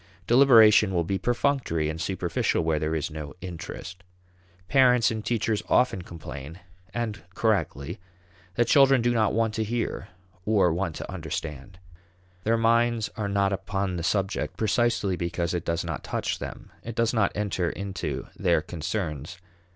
Deliberation will be perfunctory and superficial where there is no interest. Parents and teachers often complain and correctly that children "do not want to hear, or want to understand." Their minds are not upon the subject precisely because it does not touch them; it does not enter into their concerns.